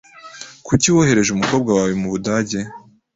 Kuki wohereje umukobwa wawe mubudage?